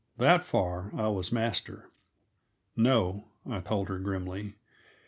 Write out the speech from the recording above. That far I was master. "No," I told her grimly.